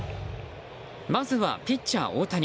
まずはピッチャー大谷。